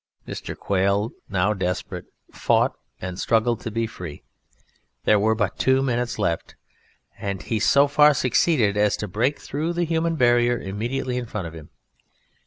Mr. Quail, now desperate, fought and struggled to be free there were but two minutes left and he so far succeeded as to break through the human barrier immediately in front of him.